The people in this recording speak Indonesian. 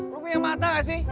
lu punya mata gak sih